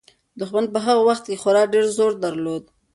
دښمن په هغه وخت کې خورا ډېر زور درلود.